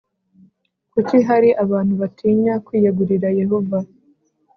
kuki hari abantu batinya kwiyegurira yehova